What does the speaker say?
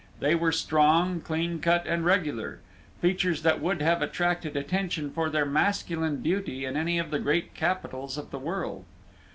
They were strong, clean cut, and regular features that would have attracted attention for their masculine beauty in any of the great capitals of the world.